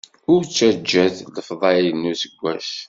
Ur ttaǧǧat lefḍayel n useggas.